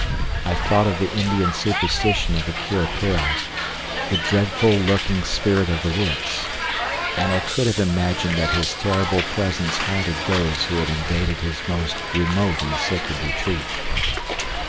I thought of the Indian superstition of the Curupuri the dreadful, lurking spirit of the woods and I could have imagined that his terrible presence haunted those who had invaded his most remote and sacred retreat.